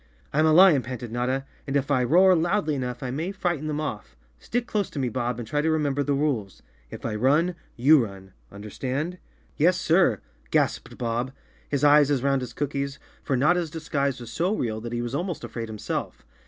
"I'm a lion," panted Notta, "and if I roar loudly enough I may frighten them off. Stick close to me, Bodb, and try to remember the rules. If I run, you run —understand?" "Yes, sir!" gasped Bob, his eyes as round as cookies, for Notta's disguise was so real that he was almost afraid himself.